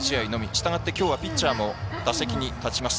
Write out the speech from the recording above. したがって、きょうはピッチャーも打席に立ちます。